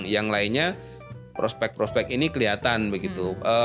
yang lainnya prospek prospek ini kelihatan begitu